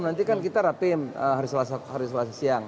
nanti kan kita rapim hari selasa siang